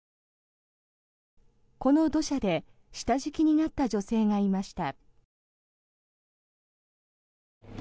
この土砂で下敷きになった女性がいました。